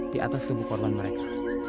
di atas kebukorban mereka